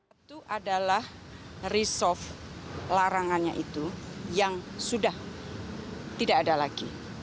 itu adalah resolve larangannya itu yang sudah tidak ada lagi